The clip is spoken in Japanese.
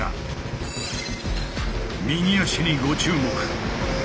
右足にご注目。